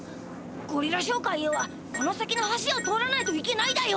ゴリラ商会へはこの先の橋を通らないといけないだよ。